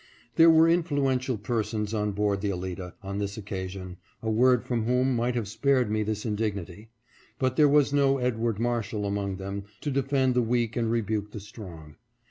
There were influential persons on board the Alida, on this occasion, a word from whom might have spared me this indignity ; but there was no Edward Marshall among them to defend the weak and rebuke the strong.